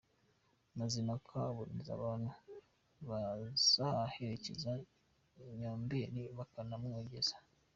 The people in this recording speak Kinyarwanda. Mazimpaka aboneza abantu bazaherekeza Nyombeli bakanamwogeza.